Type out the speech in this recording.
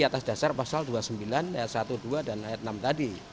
atas dasar pasal dua puluh sembilan ayat satu dua dan ayat enam tadi